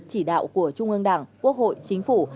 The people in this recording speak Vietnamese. chỉ đạo của trung ương đảng quốc hội chính phủ